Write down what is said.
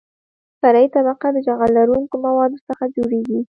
فرعي طبقه د جغل لرونکو موادو څخه جوړیږي